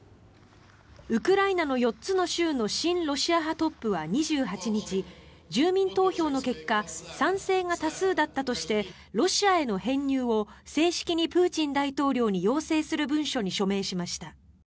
ウクライナの４つの州の親ロシア派トップは２８日住民投票の結果賛成が多数だったとしてロシアへの編入を正式にプーチン大統領に要請する文書に署名しました。